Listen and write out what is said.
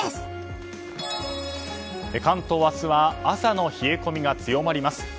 関東、明日は朝の冷え込みが強まります。